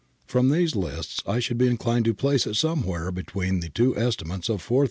From these lists I should be inclined to place it somewhere between the two estimates 4000 and 5500.